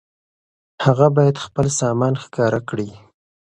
هغه بايد خپل سامان ښکاره کړي.